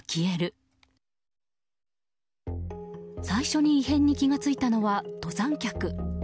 最初に異変に気が付いたのは登山客。